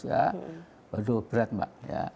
waduh berat mak